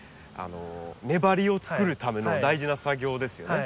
根張りを作るための大事な作業ですよね。